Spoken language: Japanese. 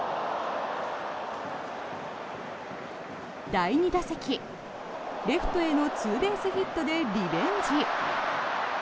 第２打席、レフトへのツーベースヒットでリベンジ。